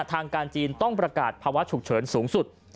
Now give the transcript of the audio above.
ทางการจีนต้องประกาศภาวะฉุกเฉินสูงสุด